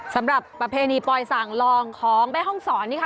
ประเพณีปล่อยส่างลองของแม่ห้องศรนี่ค่ะ